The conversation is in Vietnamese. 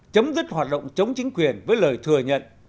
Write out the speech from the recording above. chấm dứt hoạt động chống chính quyền với lời thừa nhận